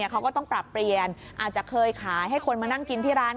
เขาก็ต้องปรับเปลี่ยนอาจจะเคยขายให้คนมานั่งกินที่ร้าน